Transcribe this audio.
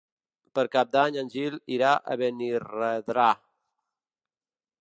Per Cap d'Any en Gil irà a Benirredrà.